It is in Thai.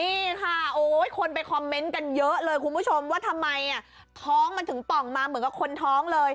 นี่ค่ะโอ้ยคนไปคอมเมนต์กันเยอะเลยคุณผู้ชมว่าทำไมท้องมันถึงป่องมาเหมือนกับคนท้องเลย